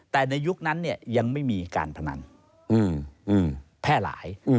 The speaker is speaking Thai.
แต่ในยุคนั้นยังไม่มีการพนันแพร่หลาย